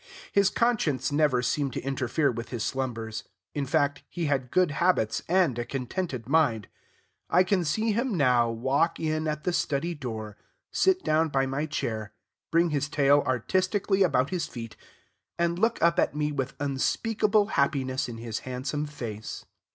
His conscience never seemed to interfere with his slumbers. In fact, he had good habits and a contented mind. I can see him now walk in at the study door, sit down by my chair, bring his tail artistically about his feet, and look up at me with unspeakable happiness in his handsome face.